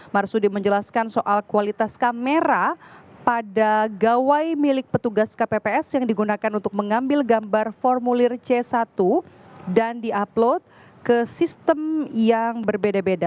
marsudi menjelaskan soal kualitas kamera pada gawai milik petugas kpps yang digunakan untuk mengambil gambar formulir c satu dan di upload ke sistem yang berbeda beda